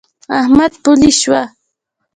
احمد پولۍ شو.